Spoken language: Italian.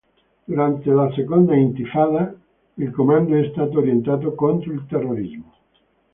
Durante la Seconda intifada, il comando è stato orientato contro il terrorismo.